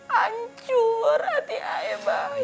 hancur hati ayah bang